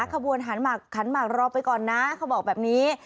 ขบวนหันหมากรอไปก่อนนะเขาบอกแบบนี้